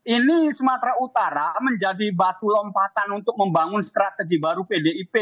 ini sumatera utara menjadi batu lompatan untuk membangun strategi baru pdip